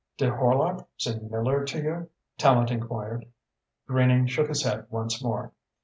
"Did Horlock send Miller to you?" Tallente enquired. Greening shook his head once more.